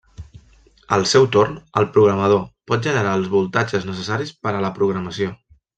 Al seu torn, el programador pot generar els voltatges necessaris per a la programació.